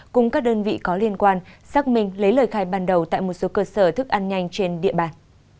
cùng các đơn vị có liên quan xác minh lấy lời khai ban đầu tại một số cơ sở thức ăn nhanh trên địa bàn